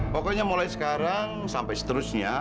pokoknya mulai sekarang sampai seterusnya